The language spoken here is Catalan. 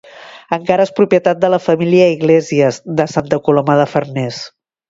Encara és propietat de la família Iglésies, de Santa Coloma de Farners.